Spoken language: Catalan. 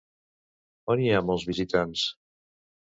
On hi ha molts visitants?